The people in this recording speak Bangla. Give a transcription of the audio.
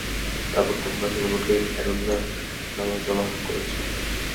তারপর তোমরা সেগুলোকে গাইরুল্লাহর নামে যবাহ করছো।